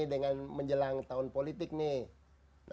dengan menjelang tahun politik itu ya